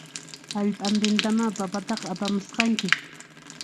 Hallp'antintamá papataqa apamusqanki